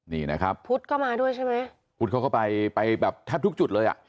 นี่นะครับพุทธก็มาด้วยใช่ไหมพุทธเขาก็ไปไปแบบแทบทุกจุดเลยอ่ะ